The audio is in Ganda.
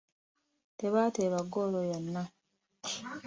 Tebaateeba ggoolo yonna.